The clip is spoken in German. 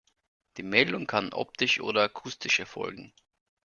Die Meldung kann optisch oder akustisch erfolgen.